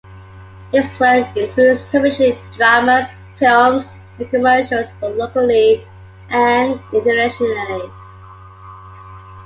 His work includes television dramas, films, and commercials, both locally and internationally.